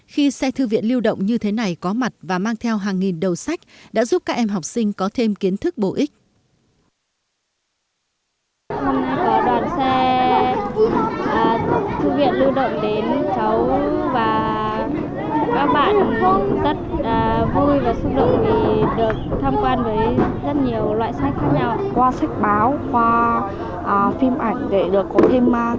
khi xe thư viện lưu động như thế này có mặt và mang theo hàng nghìn đầu sách đã giúp các em học sinh có thêm kiến thức bổ ích